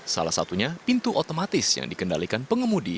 salah satunya pintu otomatis yang dikendalikan pengemudi